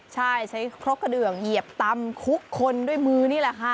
ใช่ใช้ครกกระเดืองเหยียบตำคุกคนด้วยมือนี่แหละค่ะ